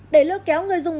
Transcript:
để lôi kéo người dùng